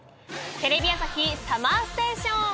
テレビ朝日ＳＵＭＭＥＲＳＴＡＴＩＯＮ。